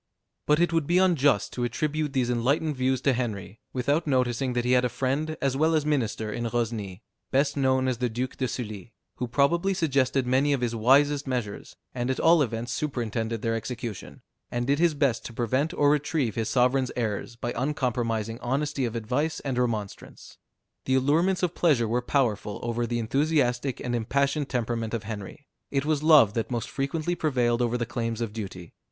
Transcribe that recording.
But it would be unjust to attribute these enlightened views to Henry, without noticing that he had a friend as well as minister in Rosny, best known as the Duke de Sully, who probably suggested many of his wisest measures, and at all events superintended their execution, and did his best to prevent or retrieve his sovereign's errors by uncompromising honesty of advice and remonstrance. The allurements of pleasure were powerful over the enthusiastic and impassioned temperament of Henry; it was love that most frequently prevailed over the claims of duty.